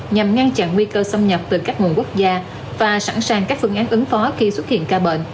nhằm ngăn chặn nguy cơ xâm nhập từ các nguồn quốc gia và sẵn sàng các phương án ứng phó khi xuất hiện ca bệnh